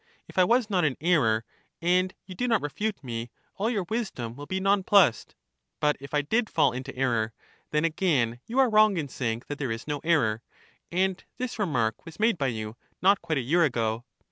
If I was not in error, and you do not refute me, all your wisdom will be non plussed; but if I did fall into error, then again you are wrong in saying that there is no error, — and this remark was made by you not quite a year ago.